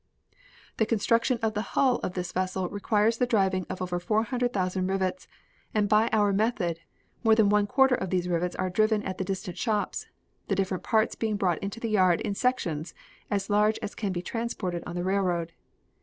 The construction of the hull of this vessel requires the driving of over four hundred thousand rivets, and by our method more then one quarter of these rivets are driven at the distant shops, the different parts being brought to the yard in sections as large as can be transported on the railroad.